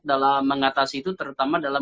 dalam mengatasi itu terutama dalam